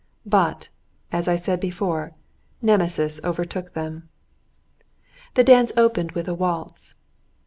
But, as I said before, Nemesis overtook them. The dance opened with a waltz.